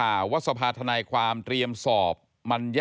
กรณีกรณีกรณีกระแสข่าวว่าสภาธนาความเตรียมสอบมัญญาติทนายสิทธา